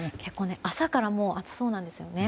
朝からもう暑そうなんですよね。